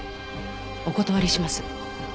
お断りします。